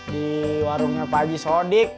di warungnya pak haji sodik